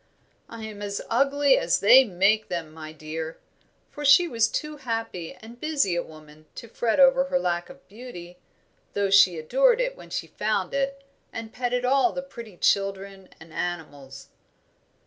"I am as ugly as they make them, my dear," for she was too happy and busy a woman to fret over her lack of beauty, though she adored it whenever she found it, and petted all the pretty children and animals.